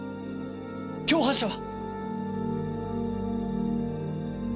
共犯者は？